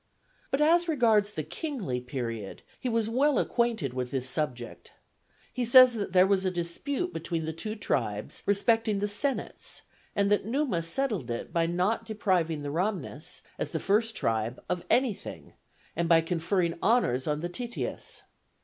But as regards the kingly period, he was well acquainted with his subject; he says that there was a dispute between the two tribes respecting the senates, and that Numa settled it by not depriving the Ramnes, as the first tribe, of anything, and by conferring honors on the Tities.